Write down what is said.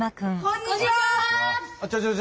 あこんにちは。